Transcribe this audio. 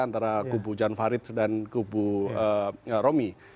antara kubu jan farid dan kubu romi